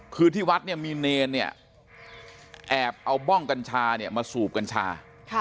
คือที่วัดมีเนรนเนี่ยแอบเอาบ้องกัญชามาสูบกัญชา